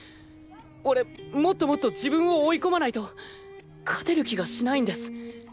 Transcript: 俺もっともっと自分を追い込まないと勝てる気がしないんです。